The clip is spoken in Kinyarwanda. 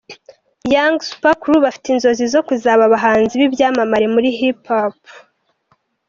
Young Super Crew bafite inzozi zo kuzaba abahanzi b'ibyamamare muri Hip Hop.